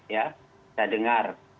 ya saya dengar